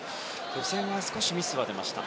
予選は少しミスが出ました。